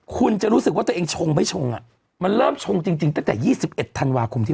คุณจะรู้สึกว่าแต่เองชงแม่ชงอ่ะมันเริ่มชงจริงแต่๒๑ธันวาคมที่๑๙๙๓